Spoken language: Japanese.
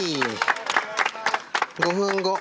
５分後。